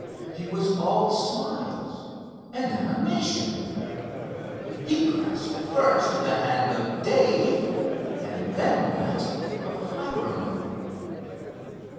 He was all smiles and animation. He grasped first the hand of Dave, and then that of Hiram.